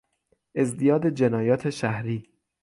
ازدیاد جنایات شهری